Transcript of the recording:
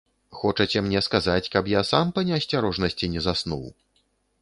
Хочаце мне сказаць, каб я сам па неасцярожнасці не заснуў?